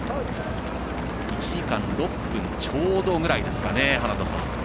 １時間６分ちょうどぐらいです。